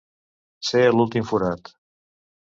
Ser a l'últim forat.